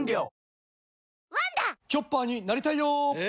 チョッパーになりたいよえ？